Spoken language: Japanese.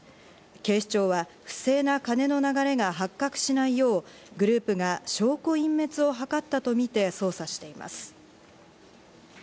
警視庁は不正な金の流れが発覚しないよう、グループが証拠隠滅を図ったとみて捜査しています。